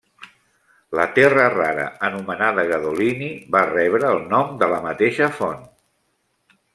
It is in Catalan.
La terra rara anomenada gadolini va rebre el nom de la mateixa font.